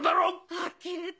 あきれた。